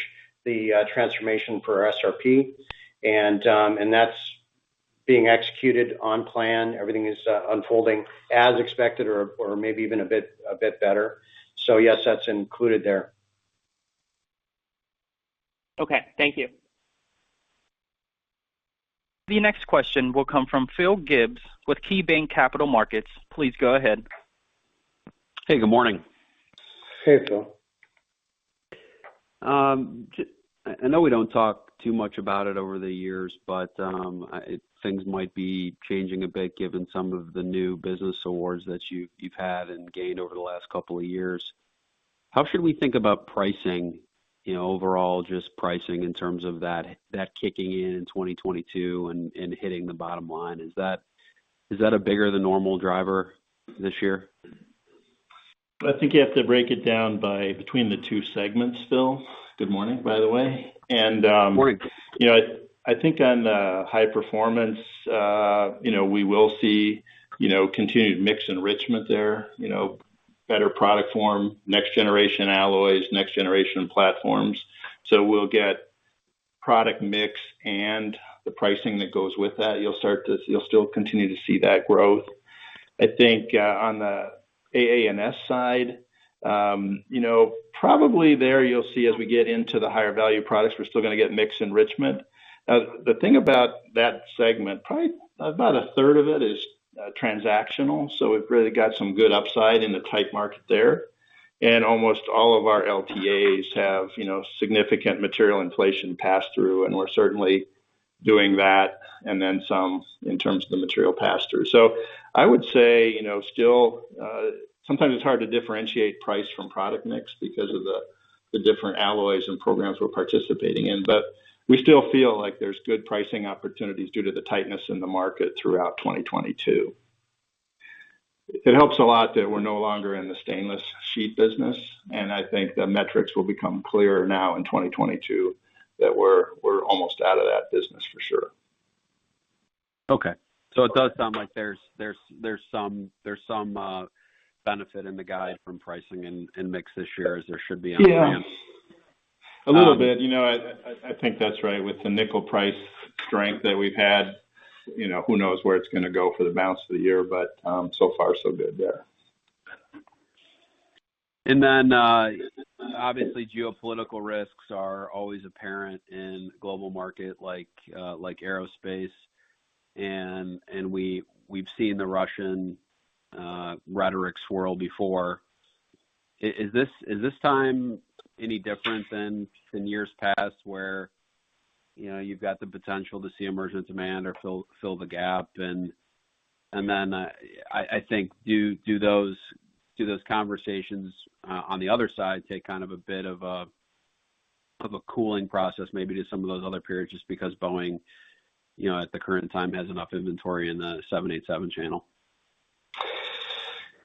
the transformation for our SRP. And that's being executed on plan. Everything is unfolding as expected or maybe even a bit better. Yes, that's included there. Okay, thank you. The next question will come from Phil Gibbs with KeyBanc Capital Markets. Please go ahead. Hey, good morning. Hey, Phil. I know we don't talk too much about it over the years, but things might be changing a bit given some of the new business awards that you've had and gained over the last couple of years. How should we think about pricing, you know, overall just pricing in terms of that kicking in in 2022 and hitting the bottom line? Is that a bigger than normal driver this year? I think you have to break it down between the two segments, Phil. Good morning, by the way. Morning... you know, I think on the high performance, you know, we will see, you know, continued mix enrichment there. You know, better product form, next generation alloys, next generation platforms. So we'll get product mix and the pricing that goes with that. You'll still continue to see that growth. I think, on the AA&S side, you know, probably there you'll see as we get into the higher value products, we're still gonna get mix enrichment. The thing about that segment, probably about a third of it is, transactional, so we've really got some good upside in the tight market there. Almost all of our LTAs have, you know, significant material inflation pass-through, and we're certainly doing that and then some in terms of the material pass-through. I would say, you know, still, sometimes it's hard to differentiate price from product mix because of the different alloys and programs we're participating in. We still feel like there's good pricing opportunities due to the tightness in the market throughout 2022. It helps a lot that we're no longer in the stainless sheet business, and I think the metrics will become clearer now in 2022 that we're almost out of that business for sure. It does sound like there's some benefit in the guide from pricing and mix this year as there should be on the. Yeah. A little bit. You know, I think that's right. With the nickel price strength that we've had, you know, who knows where it's gonna go for the balance of the year, but so far so good, yeah. Then, obviously geopolitical risks are always apparent in global market like aerospace and we've seen the Russian rhetoric swirl before. Is this time any different than in years past where, you know, you've got the potential to see emergent demand or fill the gap and then I think do those conversations on the other side take kind of a bit of a cooling process maybe to some of those other periods just because Boeing, you know, at the current time has enough inventory in the 787 channel?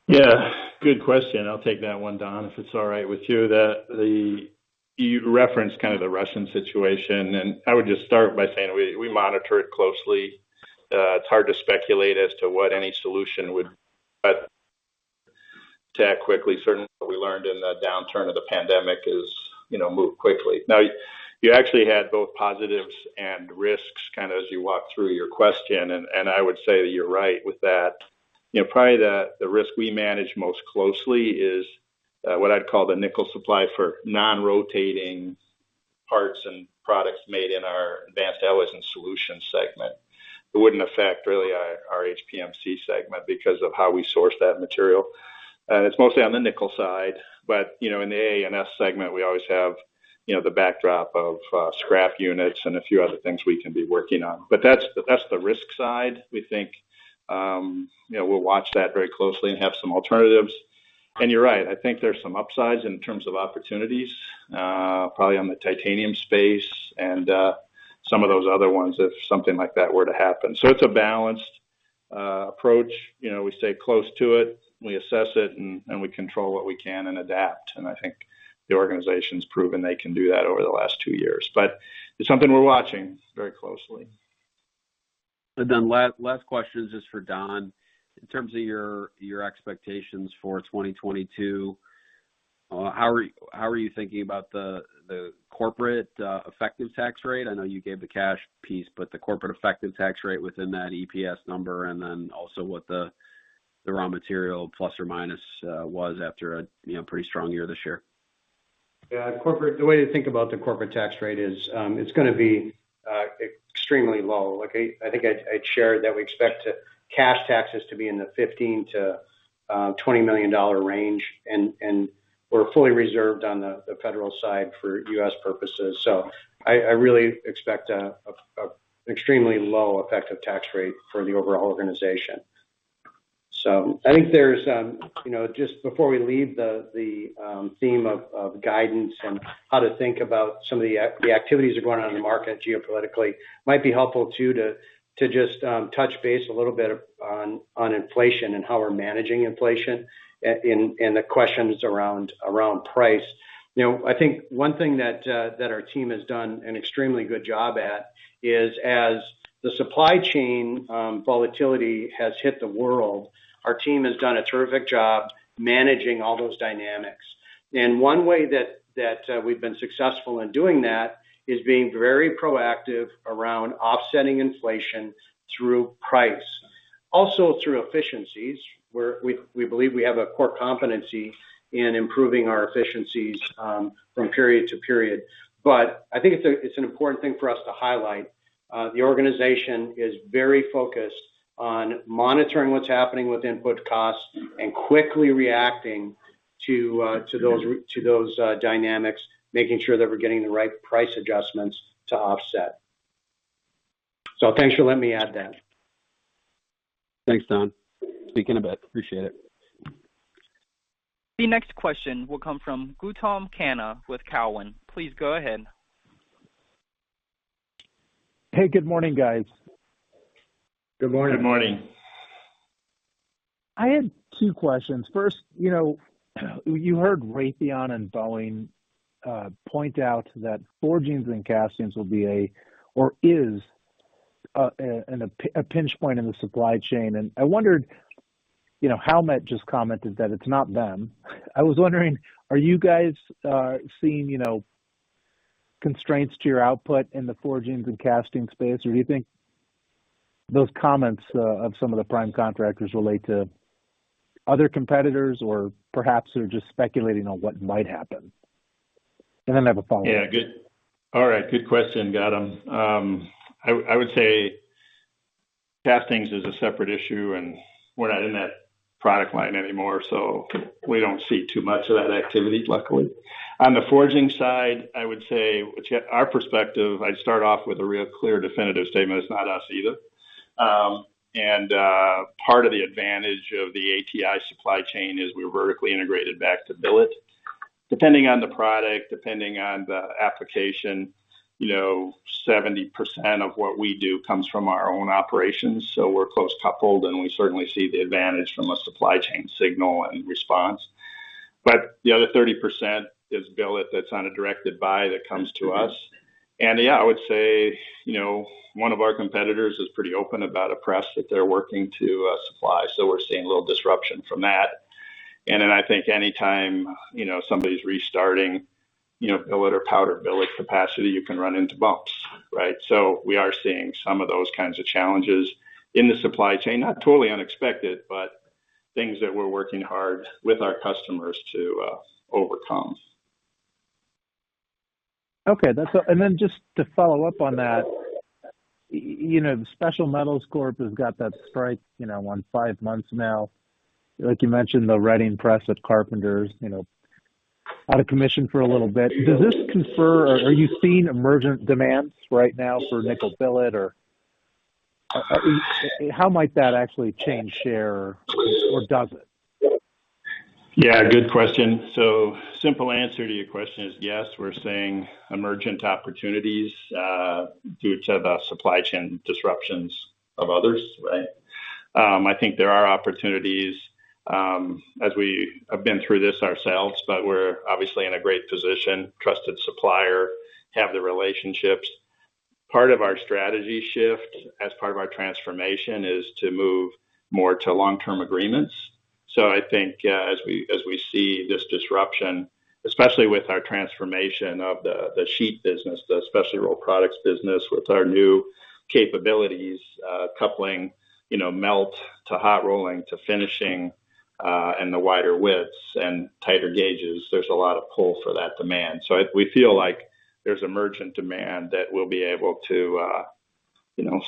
Yeah. Good question. I'll take that one, Don, if it's all right with you. You referenced kind of the Russian situation, and I would just start by saying we monitor it closely. It's hard to speculate as to what any solution would Right. To act quickly. Certainly what we learned in the downturn of the pandemic is, you know, move quickly. Now you actually had both positives and risks kind of as you walked through your question. I would say that you're right with that. You know, probably the risk we manage most closely is what I'd call the nickel supply for non-rotating parts and products made in our Advanced Alloys & Solutions segment. It wouldn't affect really our HPMC segment because of how we source that material. It's mostly on the nickel side, but you know, in the AA&S segment, we always have you know, the backdrop of scrap units and a few other things we can be working on. But that's the risk side. We think you know, we'll watch that very closely and have some alternatives. You're right, I think there's some upsides in terms of opportunities, probably on the titanium space and some of those other ones if something like that were to happen. It's a balanced approach. You know, we stay close to it, we assess it and we control what we can and adapt. I think the organization's proven they can do that over the last two years. It's something we're watching very closely. Last question is just for Don. In terms of your expectations for 2022, how are you thinking about the corporate effective tax rate? I know you gave the cash piece, but the corporate effective tax rate within that EPS number, and then also what the raw material plus or minus was after a, you know, pretty strong year this year. Yeah. Corporate. The way to think about the corporate tax rate is, it's gonna be extremely low. Like I think I'd shared that we expect cash taxes to be in the $15 million-$20 million range, and we're fully reserved on the federal side for U.S. purposes. I really expect an extremely low effective tax rate for the overall organization. I think there's you know, just before we leave the theme of guidance and how to think about some of the the activities that are going on in the market geopolitically, might be helpful too to just touch base a little bit on inflation and how we're managing inflation and the questions around price. You know, I think one thing that our team has done an extremely good job at is as the supply chain volatility has hit the world, our team has done a terrific job managing all those dynamics. One way that we've been successful in doing that is being very proactive around offsetting inflation through price. Also through efficiencies, where we believe we have a core competency in improving our efficiencies from period to period. I think it's an important thing for us to highlight. The organization is very focused on monitoring what's happening with input costs and quickly reacting to those dynamics, making sure that we're getting the right price adjustments to offset. Thanks for letting me add that. Thanks, Don. I'll speak in a bit. Appreciate it. The next question will come from Gautam Khanna with Cowen. Please go ahead. Hey, good morning, guys. Good morning. Good morning. I had two questions. First, you know, you heard Raytheon and Boeing point out that forgings and castings will be a pinch point in the supply chain. I wondered, you know, Howmet just commented that it's not them. I was wondering, are you guys seeing, you know, constraints to your output in the forgings and casting space? Or do you think those comments of some of the prime contractors relate to other competitors, or perhaps they're just speculating on what might happen? Then I have a follow-up. Yeah. Good. All right. Good question, Gautam. I would say castings is a separate issue, and we're not in that product line anymore, so we don't see too much of that activity, luckily. On the forging side, I would say, to get our perspective, I'd start off with a real clear definitive statement, it's not us either. Part of the advantage of the ATI supply chain is we're vertically integrated back to billet. Depending on the product, depending on the application, you know, 70% of what we do comes from our own operations. We're close coupled, and we certainly see the advantage from a supply chain signal and response. The other 30% is billet that's on a directed buy that comes to us. Yeah, I would say, you know, one of our competitors is pretty open about a press that they're working to supply, so we're seeing a little disruption from that. Then I think anytime, you know, somebody's restarting, you know, billet or powder billet capacity, you can run into bumps, right? We are seeing some of those kinds of challenges in the supply chain. Not totally unexpected, but things that we're working hard with our customers to overcome. Just to follow up on that, you know, the Special Metals Corp has got that strike, you know, for five months now. Like you mentioned, the Reading press at Carpenter's, you know, out of commission for a little bit. Does this confer or are you seeing emerging demands right now for nickel billet or how might that actually change share or does it? Yeah, good question. Simple answer to your question is yes, we're seeing emergent opportunities due to the supply chain disruptions of others, right? I think there are opportunities as we have been through this ourselves, but we're obviously in a great position, trusted supplier, have the relationships. Part of our strategy shift as part of our transformation is to move more to long-term agreements. I think as we see this disruption, especially with our transformation of the sheet business, the specialty rolled products business with our new capabilities, coupling you know melt to hot rolling to finishing and the wider widths and tighter gauges, there's a lot of pull for that demand. We feel like there's emergent demand that we'll be able to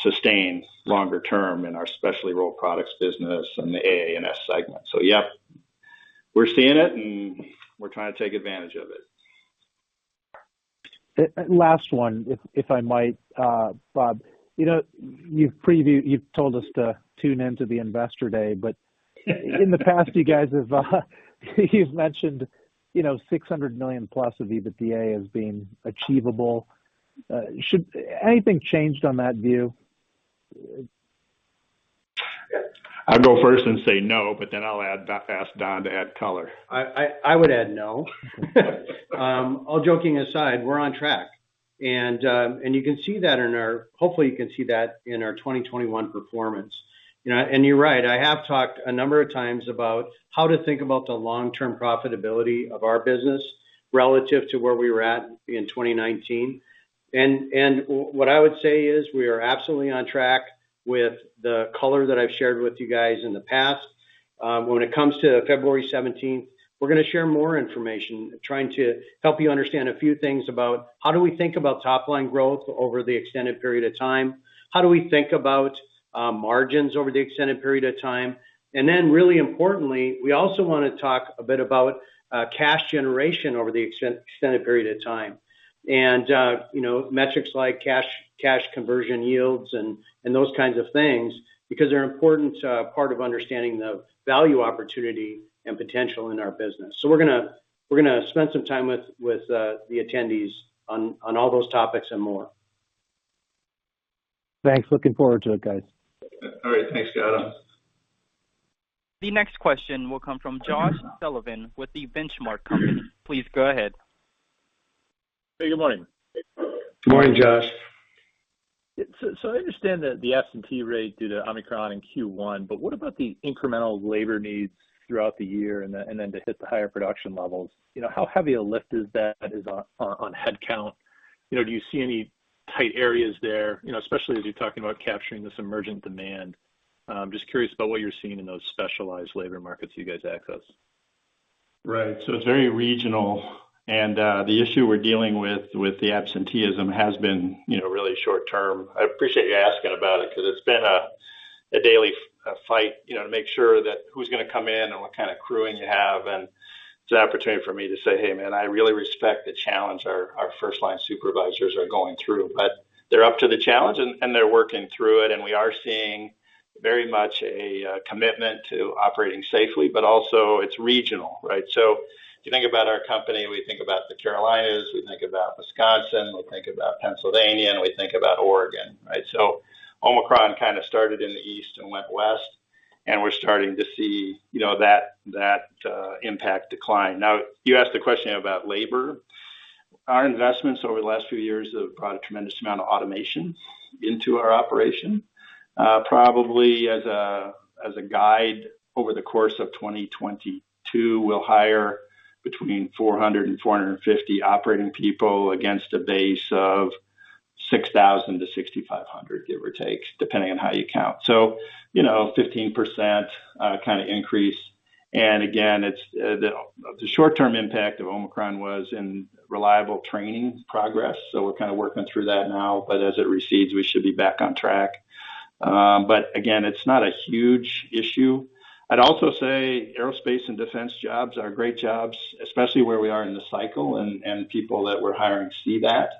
sustain longer term in our specialty rolled products business and the AA&S segment. Yeah, we're seeing it, and we're trying to take advantage of it. Last one, if I might, Bob. You know, you've told us to tune in to the Investor Day, but in the past, you guys have, you've mentioned, you know, $600 million+ of EBITDA as being achievable. Has anything changed on that view? I'll go first and say no, but then I'll ask Don to add color. I would add no. All joking aside, we're on track. You can see that in our hopefully you can see that in our 2021 performance. You know, you're right, I have talked a number of times about how to think about the long-term profitability of our business relative to where we were at in 2019. What I would say is we are absolutely on track with the color that I've shared with you guys in the past. When it comes to February seventeenth, we're gonna share more information, trying to help you understand a few things about how do we think about top line growth over the extended period of time? How do we think about margins over the extended period of time? Really importantly, we also wanna talk a bit about cash generation over the extended period of time. You know, metrics like cash conversion yields and those kinds of things because they're an important part of understanding the value opportunity and potential in our business. We're gonna spend some time with the attendees on all those topics and more. Thanks. Looking forward to it, guys. All right. Thanks, guys. The next question will come from Josh Sullivan with The Benchmark Company. Please go ahead. Hey, good morning. Good morning, Josh. I understand that the absentee rate due to Omicron in Q1, but what about the incremental labor needs throughout the year and then to hit the higher production levels? You know, how heavy a lift is that as on headcount? You know, do you see any tight areas there? You know, especially as you're talking about capturing this emergent demand. Just curious about what you're seeing in those specialized labor markets you guys access. Right. It's very regional, and the issue we're dealing with the absenteeism has been, you know, really short term. I appreciate you asking about it because it's been a daily fight, you know, to make sure that who's gonna come in and what kind of crewing you have. It's an opportunity for me to say, "Hey, man, I really respect the challenge our first line supervisors are going through." They're up to the challenge, and they're working through it. We are seeing very much a commitment to operating safely, but also it's regional, right? If you think about our company, we think about the Carolinas, we think about Wisconsin, we think about Pennsylvania, and we think about Oregon, right? Omicron kind of started in the east and went west, and we're starting to see, you know, impact decline. Now, you asked the question about labor. Our investments over the last few years have brought a tremendous amount of automation into our operation. Probably as a guide over the course of 2022, we'll hire between 400 and 450 operating people against a base of 6,000 to 6,500, give or take, depending on how you count. You know, 15% kind of increase. Again, it's the short term impact of Omicron was in reliable training progress, so we're kind of working through that now. As it recedes, we should be back on track. Again, it's not a huge issue. I'd also say aerospace and defense jobs are great jobs, especially where we are in the cycle, and people that we're hiring see that.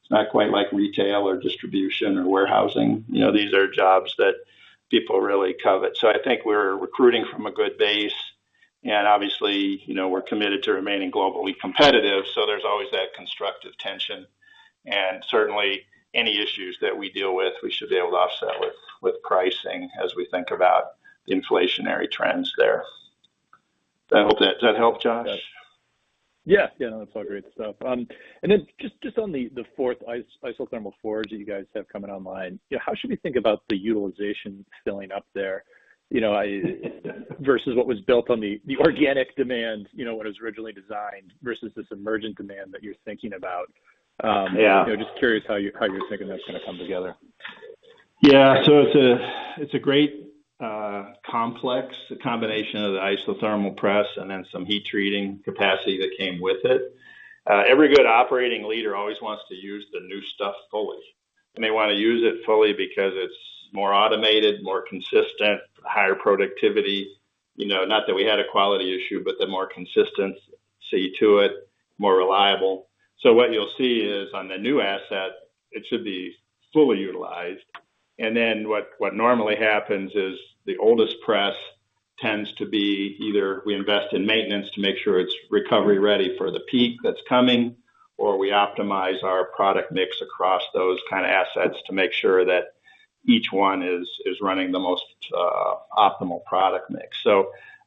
It's not quite like retail or distribution or warehousing. You know, these are jobs that people really covet. I think we're recruiting from a good base. Obviously, you know, we're committed to remaining globally competitive, so there's always that constructive tension. Certainly, any issues that we deal with, we should be able to offset with pricing as we think about the inflationary trends there. I hope that. Does that help, Josh? Yeah. Yeah, that's all great stuff. And then just on the fourth isothermal forge that you guys have coming online, you know, how should we think about the utilization filling up there? You know, versus what was built on the organic demand, you know, what it was originally designed versus this emergent demand that you're thinking about. Yeah. You know, just curious how you're thinking that's gonna come together? Yeah, it's a great complex. The combination of the isothermal press and then some heat treating capacity that came with it. Every good operating leader always wants to use the new stuff fully. They want to use it fully because it's more automated, more consistent, higher productivity. You know, not that we had a quality issue, but the more consistency to it, more reliable. What you'll see is on the new asset, it should be fully utilized. What normally happens is the oldest press tends to be either we invest in maintenance to make sure it's recovery ready for the peak that's coming, or we optimize our product mix across those kind of assets to make sure that each one is running the most optimal product mix.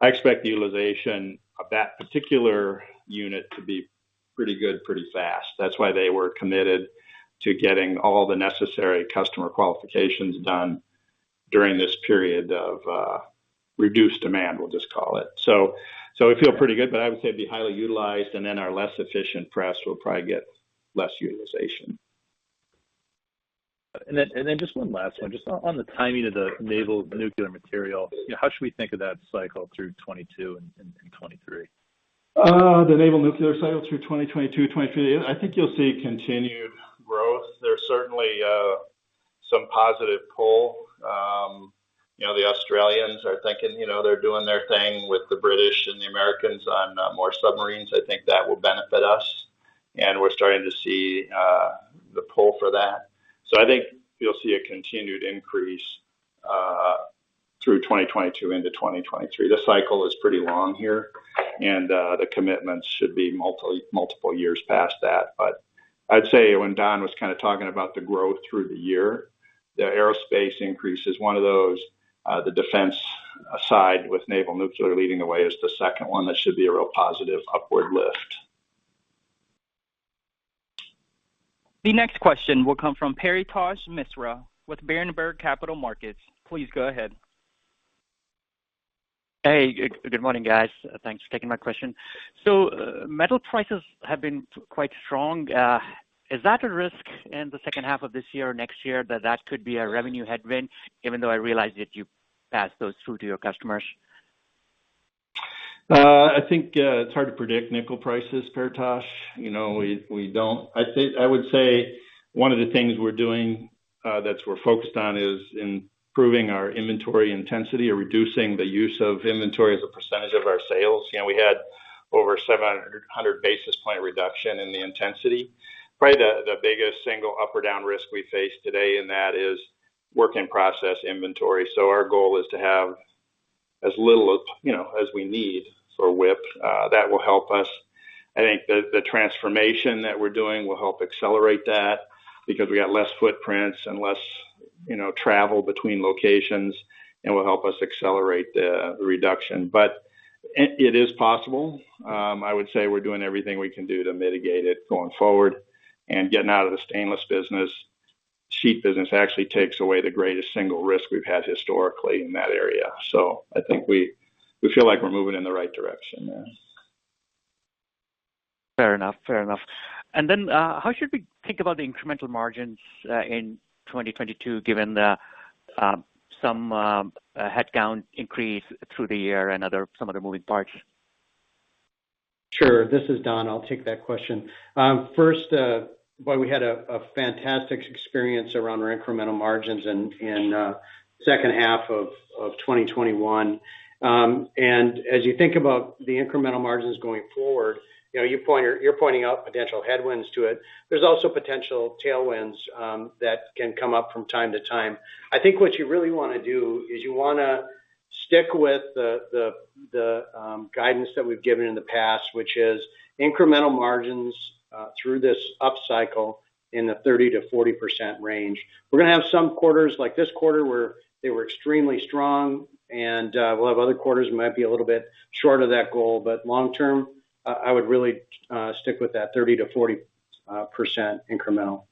I expect the utilization of that particular unit to be pretty good pretty fast. That's why they were committed to getting all the necessary customer qualifications done during this period of reduced demand, we'll just call it. We feel pretty good, but I would say it'd be highly utilized, and then our less efficient press will probably get less utilization. Just one last one. Just on the timing of the naval nuclear material, you know, how should we think of that cycle through 2022 and 2023? The naval nuclear cycle through 2022, 2023, I think you'll see continued growth. There's certainly some positive pull. You know, the Australians are thinking, you know, they're doing their thing with the British and the Americans on more submarines. I think that will benefit us, and we're starting to see the pull for that. I think you'll see a continued increase through 2022 into 2023. The cycle is pretty long here, and the commitments should be multiple years past that. I'd say when Don was kind of talking about the growth through the year, the aerospace increase is one of those, the defense aside with naval nukes that are leading the way is the second one that should be a real positive upward lift. The next question will come from Paretosh Misra with Berenberg Capital Markets. Please go ahead. Hey, good morning, guys. Thanks for taking my question. Metal prices have been quite strong. Is that a risk in the H2 of this year or next year that could be a revenue headwind, even though I realize that you pass those through to your customers? I think it's hard to predict nickel prices, Paretosh. You know, we don't. I would say one of the things we're doing that we're focused on is improving our inventory intensity or reducing the use of inventory as a percentage of our sales. You know, we had over 700 basis point reduction in the intensity. Probably the biggest single up or down risk we face today, and that is work in process inventory. So our goal is to have as little of, you know, as we need for WIP that will help us. I think the transformation that we're doing will help accelerate that because we got less footprints and less, you know, travel between locations, and will help us accelerate the reduction. It is possible. I would say we're doing everything we can do to mitigate it going forward. Getting out of the stainless business, sheet business actually takes away the greatest single risk we've had historically in that area. I think we feel like we're moving in the right direction, yeah. Fair enough. How should we think about the incremental margins in 2022, given some headcount increase through the year and some other moving parts? Sure. This is Don. I'll take that question. First, well, we had a fantastic experience around our incremental margins in H2 of 2021. As you think about the incremental margins going forward, you know, you're pointing out potential headwinds to it. There's also potential tailwinds that can come up from time to time. I think what you really wanna do is you wanna stick with the guidance that we've given in the past, which is incremental margins through this upcycle in the 30%-40% range. We're gonna have some quarters like this quarter where they were extremely strong, and we'll have other quarters that might be a little bit short of that goal. Long-term, I would really stick with that 30%-40% incremental.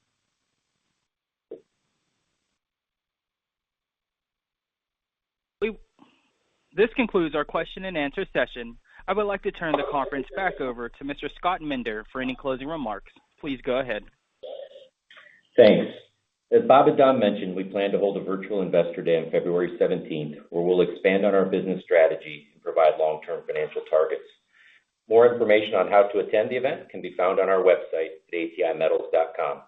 This concludes our question and answer session. I would like to turn the conference back over to Mr. Scott Minder for any closing remarks. Please go ahead. Thanks. As Bob and Don mentioned, we plan to hold a virtual investor day on February seventeenth, where we'll expand on our business strategy and provide long-term financial targets. More information on how to attend the event can be found on our website at atimetals.com.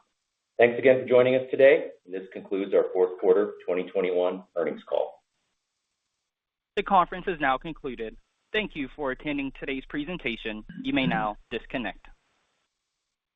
Thanks again for joining us today, and this concludes our Q4 2021 earnings call. The conference is now concluded. Thank you for attending today's presentation. You may now disconnect.